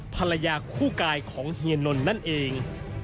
ภรรยาคู่กายของเฮียนนท์นั่นเอง